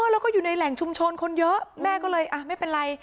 แล้วก็อยู่ในแหล่งชุมชนคนเยอะแม่ก็เลยไม่เป็นไร